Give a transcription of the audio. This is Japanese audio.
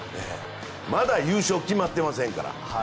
まだ優勝、決まってませんから。